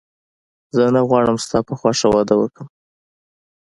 زه نه غواړم ستا په خوښه واده وکړم